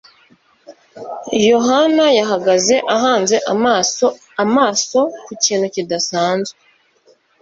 Yohana yahagaze ahanze amaso amaso ku kintu kidasanzwe